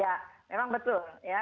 ya memang betul